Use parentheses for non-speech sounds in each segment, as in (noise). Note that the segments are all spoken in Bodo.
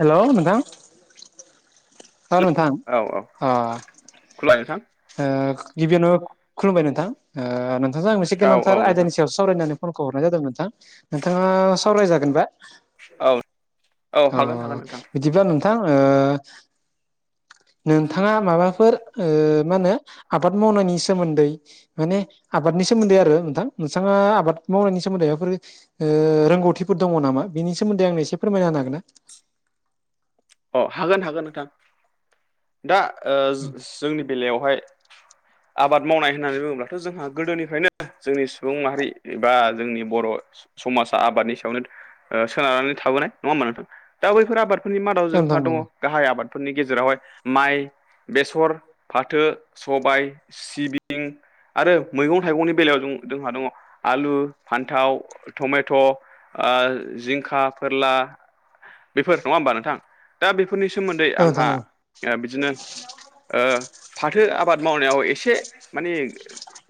हेलौ नोंथां औ नोंथां अ (unintelligible) ओ गिबियावनो खुलुमबाय नोंथां ओ नोंथांजों आं मोनसे औ औ गोनांथार नोंथां आयदानि सायावसो सावरायनानै फनखौ हरनाय जादों नोंथां नोंथाङा सावरायजागोन बा? औ औ हागोन हागोन नोंथां बिदिब्ला नोंथां ओ नोंथाङा माबाफोर ओ मा होनो आबाद मावनायनि सोमोन्दै माने आबादनि सोमोन्दै आरो नोंथां नोंथाङा आबाद मावनायनि सोमोन्दै एफोरो ओ रोंगौथिफोर दङ नामा बिनि सोमोन्दै आंनो एसे फोरमायना होनो हागोन ना? अ हागोन हागोन नोंथां दा ओ जो जोंनि बेलायावहाय (unintelligible) आबाद मावनाय होननानै बुङोब्लाथ' जोंहा गोदोनिफ्रायनो जोंनि सुबुं माहारि एबा जोंनि बर' समाजा आबादनि सायावनो ओ सोनारनानै थाबोनाय नङा होमा नोंथां दा बैफोर आबादफोरनि मादाव औ जों नोंथां औ गाहाय आबादफोरनि गेजेरावहाय माइ, बेसर, फाथो, सबाइ सिबिं आरो मैगं थाइगंनि बेलायाव जों दोंहा दङ आलु, फान्थाव, टमेट' ओ जिंखा, फोरला बेफोर नङा होमबा नोंथां दा बेफोरनि सोमोन्दै औ नोंथां आंहा औ ओ बिदिनो ओ फाथो आबाद मावनायाव एसे माने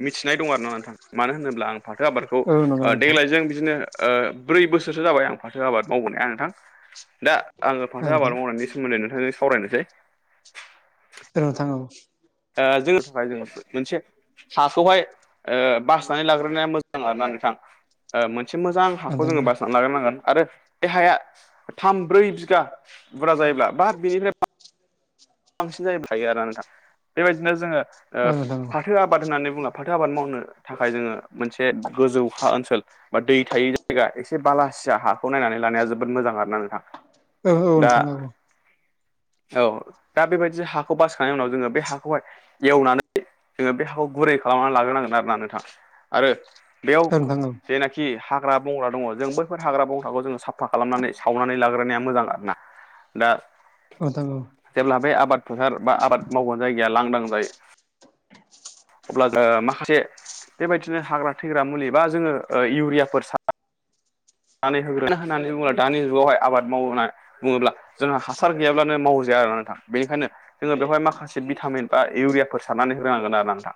मिथिनाय दं आरो ना नोथाङ। मानो होनोब्ला आं फाथो आबादखौ औ नंगौ नोंथां देग्लायजों बिदिनो ओ ब्रै बोसोरसो जाबाय आं फाथो आबाद मावबोनाया नोंथां दा आङो फा औ नोंथां औ नायनि सोमोन्दै नोंथांजों सावरायनोसै। औ नोंथां। औ ओ जोङो दहाय जोङो मोनसे हाखौहाय ओ बासनानै लाग्रोनाया मोजां आरोना नोंथां। ओ मोन से मोजां हाखौ औ जोङो बासना लाग्रोनांगोन आरो बे हाया। थाम ब्रै बिघा बुरजा जायोब्ला बा बिनिनो। बांसिन जायो थायो आरो ना नोंथा बेबायदिनो जोङो ओ औ नोंथां औ फाथो आबाद होननानै बुंब्ला फाथो आबाद मावनो थाखाय जोङो मोनसे गोजौ हा ओनसोल बा दै थायै जायगा एसे बालासिया हाखौ नायनानै लानाया जोबोद मोजां आरो ना नोंथां। औ औ दा नोंथां औ औ दा बेबायदि हाखौ बासिखांनायनि उनाव जोङो बे हाखौहाय एवनानै जोङो बे हाखौ गुरै खालामनानै लाग्रोनांगोन आरोना नोंथां आरो बेयाव औ नोंथां औ जेनाखि हाग्रा बंग्रा दङ जों बैफोर हाग्रा बंग्राखौ जोङो साफा खालामनानै सावनानै लाग्रोनाया मोजां आरोना। दा औ नोंथां औ जेब्ला बे आबाद फोथार बा आबाद मावग्रा जायगाया लांदां जायो अब्ला ओ माखासे बेबायदिनो हाग्रा थैग्रा मुलि बा जोङो ओ इउरियाफोर सार नानै होग्रो नांगौ मानो बुंङोब्ला दानि जुगावहाय आबाद मावनाय बुङोब्ला जोंहा हासार गैयाब्ला नों मावजाया नोंथां बेनिखायनो जोंङो बेवहाय माखासे भिटामिन बा इउरिया फोर सारनानै होग्रो नांगोन आरो ना नोंथां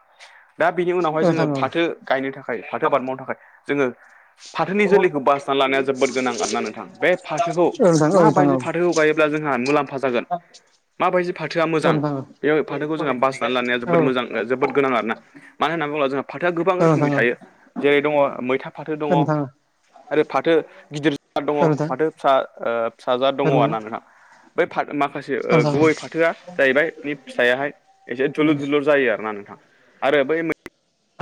दा बिनि उनावहाय औ जोङो नोंथां औ फाथो गायनो थाखाय फाथो आबाद मावनो थाखाय जोङो फाथोनि जोलैखौ बास जोबोद गोनां आरो ना नोंथां बे फाथोखौ औ नोंथां औ नोंथां औ माबायदि फाथोखौ गायोब्ला जोंहा मुलाम फा जागोन माबायदि फाथोआ औ मोजां नोंथां औ नोंथां औ बे फाथोखौ जोंहा बासिनानै लानाया औ जोबोद मोजां जोबोद गोनां आरोना। मानो होनना बुङोब्ला जोंहा फाथोआ गोबां नोंथां औ नोंथां रोखोमनि औ थायो जेरै दङ मैथा फाथो दंङ। नोंथां आरो फाथो गिदिर फिसा दङ औ नोंथां औ नोंथां औ नोंथां औ नोंथां औ नोंथां औ नोंथां औ फाथो फिसा ओ फिसाजाद दङ औ आरोना नोंथां। बै फाथो मा माखासे नोंथां औ गुबै फाथोआ जाहैबाय बेनि फिथाइयाहाइ एसे दुलुर दुलुर जायो आरोना नोंथा आरो बै मो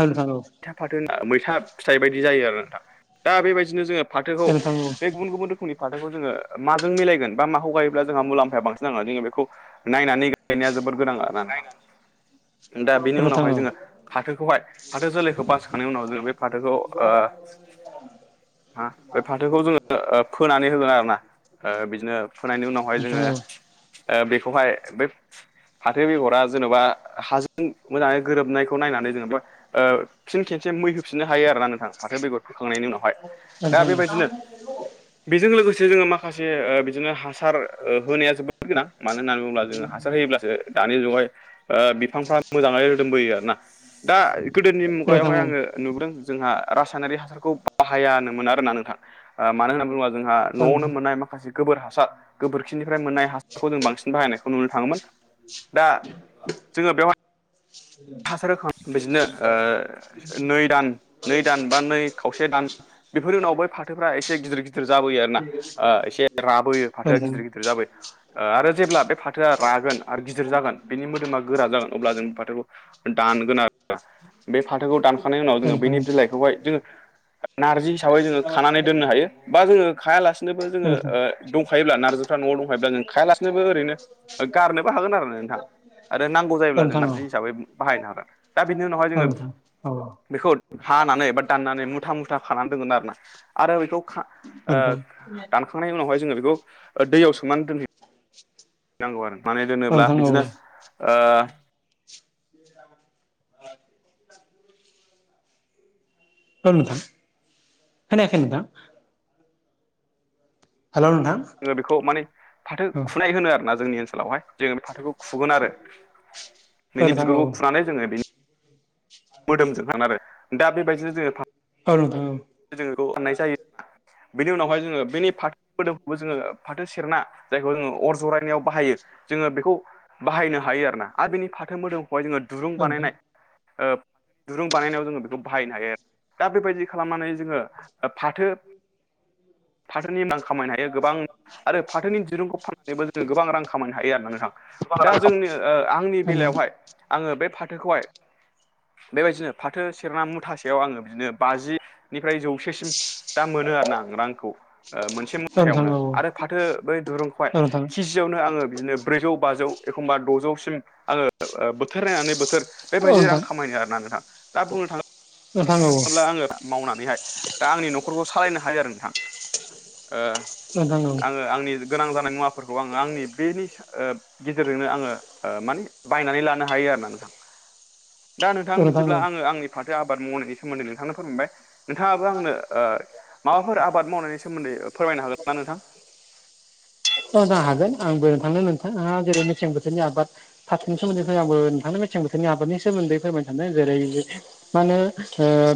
हेल' हेल' मैथा फाथो मैथा फिथाइ बायदि जायो आरो नोंथां दा बेबायदिनो जोङो फाथोखौ बे गुबुन गुबुन रोखोमनि फाथोखौ जोङो माजों मिलायगोन बा माखौ गायोब्ला जोंहा मुलाम्फाया बांसिन जागोन जोङो बेखौ नायनानै गायनाया जोबोद गोनां आरोना नोंथां दा बिनि नोंथां औ नोंथां औ नोंथां औ उनावहाय जोङो फाथोखौहाय हाथो जोलैखौ बासिखांनायनि उनाव जों बे फाथोखौ ओ बे फाथोखौ जोङो ओ फोनानै होगोन आरो ना ओ बिदिनो फोनायनि उनावहाय औ नोंथां औ जोङो ओ बेखौहाय बै फाथो बेगरा जेन'बा हाजों मोजांङै गोरोबनायखौ नायनानै जेनेवबा ओ फि खेबसे मै होफिननो हायो आरो ना नोंथां फाथो बेगर फोखांनायनि उनावहाय दा नोंथां औ औ बेबायदिनो बेजों लोगोसे जोङो माखासे ओ बिदिनो हासार ओ होनाया जोबोद गोनां मानो होननानै बुङोब्ला जोङो हासार होयोब्लासो दानि जुगावहाय ओ बिफांफ्रा मोजांङै रोदोमबोयो आरोना दा गोदोनि मुगायावहाय आङो नुबोदों जोंहा रासायनारि हासारखौ बाहायनो मोना आरोना नोंथां ओ मानो होनना बुङोब्ला जोंहा न'आवनो मोननाय माखासे गोबोर हासार गोबोरखिनिफ्राय मोननाय हासारखौ जों बांसिन बाहायनायखौ नुनो थाङोमोन दा जोङो बेवहाय हासार होखांनानै बिदिनो ओ नै दान नै दान बा नै खावसे दान बेफोरनि उनाव बै फाथोफ्रा एसे गिदिर गिदिर गिदिर जाबोयो आरो ना ओ एसे राबोयो फाथोआ गिदिर गिदिर जाबोयो ओ आरो जेब्ला बे फाथोआ रागोन आरो गिदिर जागोन बेनि मोदोमा गोरा जागोन अब्ला जों फाथोखौ दानगोन आरोना बे फाथोखौ दानखांनायनि उनाव जोङो बैनि बिलाइखौहाय जोङो नार्जि हिसाबै जोङो खानानै दोननो हायो बा जोङो खायालासिनोबो जोङो ओ दंखायोब्ला नारजि फ्रा न'आव दंखायोब्ला जों खायालासिनोबो ओरैनो गारनोबो हागोन आरो ना नोंथां आरो नांगौ जायोब्ला जों नारजि हिसाबै बाहायनो हागोन दा बिनि उनावहाय जोङो बेखौ हानानै बा दाननानै मुथा मुथा खानानै दोनगोन आरोना आरो बेखौ दानखांनायनि उनावहाय जोङो बेखौ दैयाव सोमनानै दोनै नांगौ आरो माने दोनोब्ला बिदिनो ओ (unintelligible) र नोंथां खोनायाखै नोंथां हेल' नोंथां जोङो बेखौ माने फाथो औ खुनाय होनो आरोना जोंनि ओनसोलावहाय जोङो फाथोखौ खुगोन आरो बिनि नोंथां औ बिगुरखौ खुनानै जोङो बेनि मोदोमजों थान आरो दा बेबायदिनो जोङो औ नोंथां जों बेखौ अननाय जायो नामा बेनि उनावहाय जोङो बेनि फाथो मोदोमखौबो जोङो फाथो सेरना जायखौ जोङो अर जरायनायाव बाहायो जोङो बेखौ बाहायनो हायो आरोना आरो बिनि फाथो मोदोमखौहाय जोङो दुरुं औ नोंथां बानायनाय दुरुं बानायनायाव जोङो बेखौ बाहायनो हायो आरो दा बेबायदि खालामनानै जोङो फाथो फाथोनि मां खामायनो हायो गोबां आरो फाथोनि दिरुंखौ फान नानैबो जोङो गोबां रां खामायनो हायो आरा नोंथां दा जोंनि आंनि होनो औ बेलायावहाय आङो बे फाथोखौहाय बेबायदिनो फाथो सेरना मुथासेयाव आङो बिदिनो बाजिनिफ्राय जौसेसिम दा मोनो आरो ना आं रांखौ मोनसे नोंथां मुथायावनो औ आरो फाथो बै दुरुंखौहा औ नोंथां औ किजि नो आं बिनो ब्रै बाजौ एखमबा द'सिम आडों बोथोर नायनानै बोथोर बेबायदि रां नोंथां खामायायो आरोना नोंथां दा बुंनो थाङोब्ला थांगौ आङो मावनानैहाय दा आंनि न'खरखौ सालायनो हायो आरो नोंथां नोंथां औ आङो आंनि गोनां जानाय मुवाफोरखौ आङो आंनि बेनि गेजेरजोंनो आङो माने बायनानै लानो हायो आरो ना नोंथां (unintelligible) दा नोंथां बिदिब्ला औ आङो आंनि फाथो आबाद मावनायनि सोमोन्दै नोंथांनो फोरमबाय नोंथाङाबो आंनो माबाफोर आबाद मावनायनि सोमोन्दै फोरमायनो हागोन ना नोंथां अ जानो हागोन आंबो नोंथांनो नोंथाङा जेरै मेसें बोथोरनि आबाद पाथथिनि सोमोन्दै आंबो नोंथांनो मेसें बोथोरनि आबादनि सोमोन्दै फोरमाय सानदों जेरै मा होनो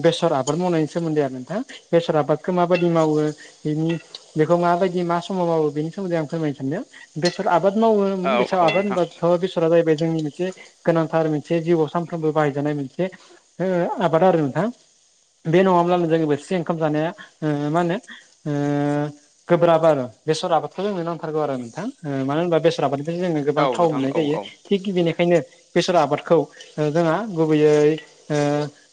बेसर आबाद मावनायनि सोमोन्दै आरो नोंथां बेसर आबादखौ माबाददि मावो बिनि बेखौ माबायदि मा समाव मावो बेनि सोमोन्दैं फोरमाय सानदों बेसर आबाद मावो औ बेसआव औ आबाद नोंथां होनबा था बेसरा जाहैबाय जोंनि मोनसे गोनांथार मोनसे जिउआव सानफ्रोमबो बाहायजानाय मोनसे आबादा आरो नोंथां बे नङाब्ला नों जांबोथिसे ओंखाम जानाया ओ मा होनो ओ गोब्राब आरो बेसर आबा ' जोंनो नांथारौ आरो नोंथां मानो होनबा बेसर आबादनिफ्राय जोङो गोबां औ थाव नोंथां मोननाय औ जायो औ। औ थिग बेनिखायनो बेसर आबादखौ जोंहा गुबैयै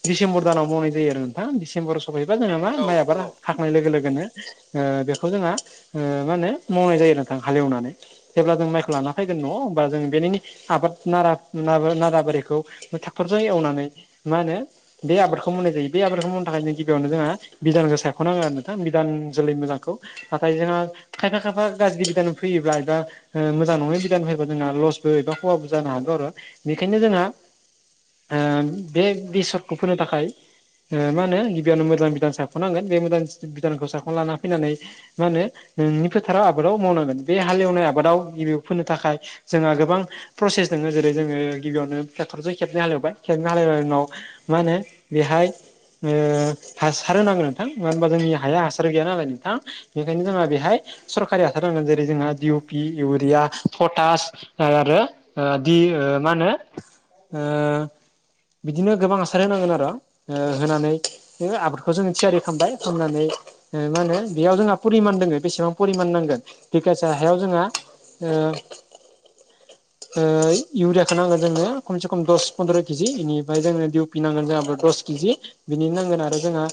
डिसेम्बर दानाव मावनाय जायो आरो नोंथां दिडिसेम्बर सफैबा जोंहा मा माइ आबाद नोंथां औ। हाखनाय लोगो लोगोनो बेखौ जोंहा मा होनो मावनाय जायो नोंथां हालेवनानै जेब्ला जों माइखौ लाना फैगोन नङ होनोमबा जों बेनिनो आबाद नारा नाराबारिखौ ट्रेक्टर जों एवनानै मा होनो बे आबादखौ मावनाय जायो बे आबादखौ मावनो थाखायों गिबियावनो जोंहा बिधानजों सायख'नाङो आरो नोंथां बिधान जोलै मोजांखौ नाथाय जोंहा खायफा खाफा गाज्रि गोदान फैयोबा एबा मोजां नङै बिदान फयोबा जोंहा लसबो एबा खवाबो जानो हागौ आरो बेखायनो जोंहा बे बिसरखौ फोनो थाखाय मा होनो गिबियावनो मोजां बिधान साख'नांगोन बे मोजां बिधानखौ साखख'ना लाना फैनानै मा होनो फोथाराव आबादाव मावनांगोन बे हालेवनाय प्रसेस दनोङो जेरै जोङो गिबियावनो ट्रेक्टरजों खेबै हालेवबाय खेबै हाले उनाव मा होनो बेहाय ओ हासार होनांगौ नोंथां मानो होनबा जोंनि बेखायनो जोंहा बेहाय सरकारि हासार ददों जेरै जोंहा दिडिउ पि इउरिया पटास आरो दि मा होनो। ओ बिदिनो गोबां हासार होनांगोन आरो ओ होनानै बे आबादखौ जों थियारि खालामबाय खालामनानै। मा होने बेयाव जोंहा परिमान दङो बेसेबां फरिमान नांगोन बिकासे हायाव जोंहा इउरियाखौ नांगोन जोंनो खमसे खम दस पन्द्र' केजि बेनिफ्राय जोंनो दिउ फिनांगोन जोंहा दस केजि बिनि नांगोन आरो जोंहा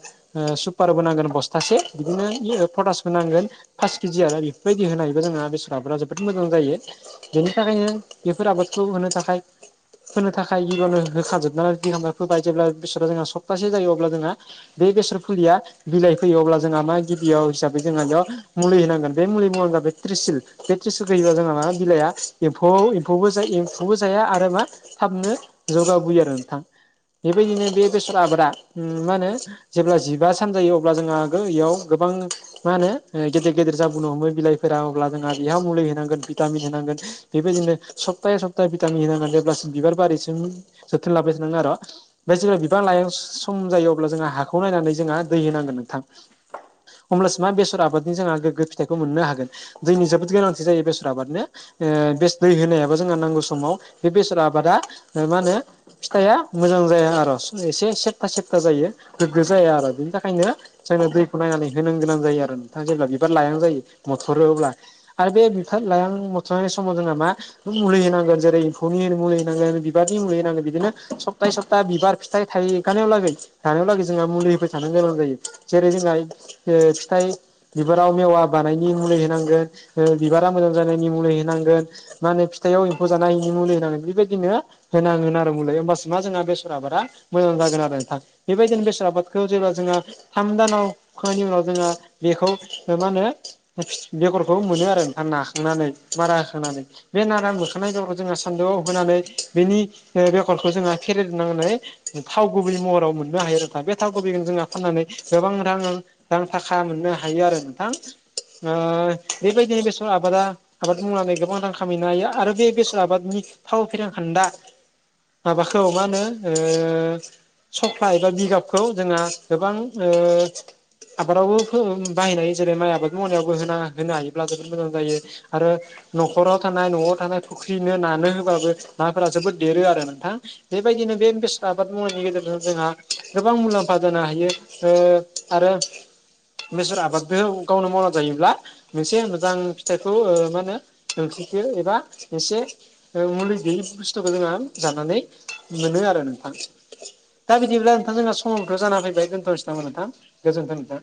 सुपारबो नांगोन बस्थासे बिदिनो फटासबो नांगोन। फास केजि आरो बेफोरबायदि होनायबो जोंहा बेसरफोरा जोबोद मोजां जायो। बेनि थाखायनो बेफोर आबादखौ होनो थाखाय होनो थाखाय बिबाननो होखाजोब न बिहामा फोबाय जेब्ला बिसोरा जोंहा सप्तासे जायो अब्ला जोंहा। बे बेसर फुलिया बिलाइ फैयो अब्ला जोंहा मा गिबियाव हिसाबै जोंहा बेयाव। मुलि नांगोन बेमलि मुलिनि मुं आबेत्रिसल बे ट्रिस गयोबा जोंहा मा बिलाइ एम्फौ एम्फौबो ज एम्फौबो जाया आरो मा थाबनो जौगाबोयो आरो नोंथां बेबायदिनो बे बेसर आबादा मा होनो जेब्ला जिबा सान जायो अब्ला जों आगो इयाव गोबां मा होनो। गेदेर गेदेर जाबोननो हमो बिलाइफोरा अब्ला जोंहा बिहा मुलि होनांगोन भिटामिन होनांगोन बेबायदिनो सप्ताहै सप्ताह भिटामिन होनांगोन जेब्लासिम बिबार बारिसिम जोथोन लाबाय थानांगोन आरो' मफ्राय जेब्ला बिबां लइ सम जायो अब्ला जोंहा हाखौ नायनानै जोंहा दै होनांगोन नोंथां अमब्लासा बेसर आबाद जोंहा गोगो फिथाइखौ मोननो होन दैनि जोबो गोनां जायो बेसर आबादनो। बे दै होनायाबो जोंहा नांगौ समाव बे बेसर आबादा मा होनो फिथाइआ मोजां जाया आरो एसे सेबथा सेबथा जायो गोग्गो जाया आरो बिनि थाखायनो। जानो दैखौ नायनानै होनांग गोनां जायो आरो नोंथाङा जेब्ला बिबार लायां जायो मथरो अब्ला आरो बे बिफार लइां मथ'नाय समाव जोंना मा मुलि होनांगोन जेरै एम्फौनि मुलि होनांगोन बिबारनि मुलि होनांगोन बिदिनो सप्ता सप्ता बिबार फिथाइ थाइगानायाव लागै जानायाव लागै जोंहा मुलि होफोर थानो गोनां जायो जेरै जोंहा। बे फिथाइ बिबाराव मेवा बानायनि मुलि होनांगोन बिबारा मोजां जानायनि मुलि होनांगोन मा होनो फिथाइयाव एम्फौ जानायिनि मुलि होनांग बेबायदिनो। होनांगोन आरो मलै होमबाससि मा जोंहा बेसरा बारा मोजां जागोन आरो नोंथां बेबायदिनो बेसाद आबादखौ जेब्ला जोङो थाम दानाव खनि उनाव जोङो बेखौ मा होनो बेगरखौ मोनो आरो नोंथा नाखांनानै मारा होखांनानै बे नारा बुरखांनाय बेरखौ जोङो सान्दुआव होनानै बेनि बेगरखौ जोङो फेरेदनानै थाव गुबै महराव मोननो हायो आरोोना बे थाव गुबैखौ जोंहा फाननानै गोबां रां गोजां थाखा मोननो हायो आरो नोंथां बेबायदिनो बेसर आबादा आबाद मावनानै गोबां रां खामायनो हायो आरो बे बेसर आबादनि फाव फेरेंखान्दा माबाखौ मा होनो सफ्ला एबा बिगाबखौ जोंहा गोबां आबादावबो बाहायनायायो जेरै माइ आबाद मावनायावबो होना होनो हायोब्ला जोबोद मोजां जायो आरो न'खराव थानाय न'आव थानाय फुख्रिनो नानो होबाबो नाफोरा जोबोद देरो आरो नोंथां। बेबायदिनो बे बेसाद आबाद मावनायनि गेजेरजों जोंहा गोबां मुलाम्फा दानो हायो। आरो बेसर आबादबो गावनो मावना जायोब्ला। मोनसे मोजां फिथाइखौ मा होनो सोंखखो एबा एसे मुलि गैयै बुस्थुखौ जोंहा जानानै मोनो आरो नोंथां दा बिदिब्ला नोंथां जोंहा समावथ' जाना फैबाय दोनथ'सै नामोन नोंथां गोजोन्थों नोंथां